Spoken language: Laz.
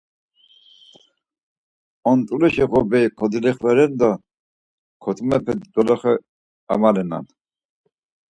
Ont̆uleşi ğoberi kodilixveren do kotumepe doloxe amalenan.